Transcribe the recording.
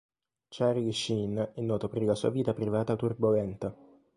Charlie Sheen è noto per la sua vita privata turbolenta.